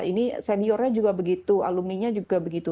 ini seniornya juga begitu alumninya juga begitu